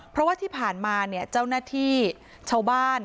เพราะว่าที่ผ่านมาเนี่ยเจ้าหน้าที่ชาวบ้าน